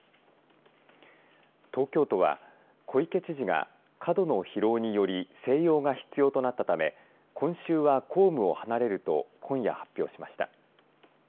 東京都は小池知事が過度の疲労により静養が必要となったため今週は公務を離れると今夜、発表しました。